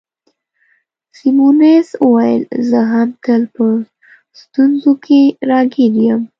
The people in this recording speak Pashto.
سیمونز وویل: زه هم تل په ستونزو کي راګیر یم.